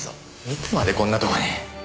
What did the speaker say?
いつまでこんなとこに。